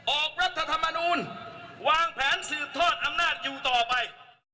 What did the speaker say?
รัฐธรรมนูลวางแผนสืบทอดอำนาจอยู่ต่อไป